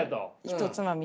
ひとつまみ